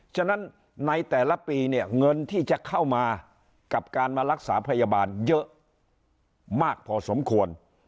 ฉะนั้นในแต่ละปีเนี่ยเงินที่จะเข้ามากับการมารักษาพยาบาลเยอะมากพอสมควร